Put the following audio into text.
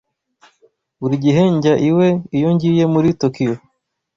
Buri gihe njya iwe iyo ngiye muri Tokiyo.